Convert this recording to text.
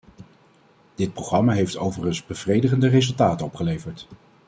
Dit programma heeft overigens bevredigende resultaten opgeleverd.